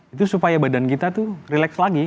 itu supaya badan kita tuh relax lagi